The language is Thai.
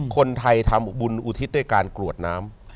คนไทยทำบุญอุทิศด้วยการกรวดน้ำ